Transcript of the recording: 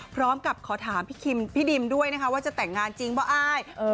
พร้อมกับขอถามพี่ดิมด้วยนะคะว่าจะแต่งงานจริงเหรอไหง